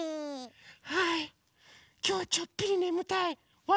はいきょうちょっぴりねむたいワンワンです。